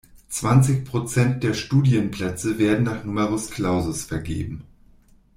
Zwanzig Prozent der Studienplätze werden nach Numerus Clausus vergeben.